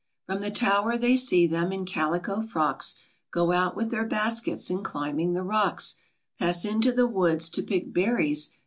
From the tower they see them, in calico frocks, Go out with their baskets, and climbing the rocks, Pass into the woods to pick berries.